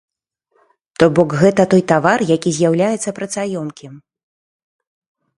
То бок, гэта той тавар, які з'яўляецца працаёмкім.